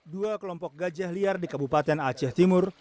dua kelompok gajah liar di kabupaten aceh timur